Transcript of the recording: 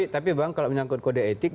tapi memang kalau menyangkut kode etik